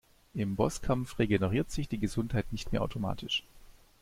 Im Bosskampf regeneriert sich die Gesundheit nicht mehr automatisch.